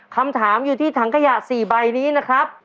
คำถามอยู่ที่ถังขยะ๔ใบนี้นะครับ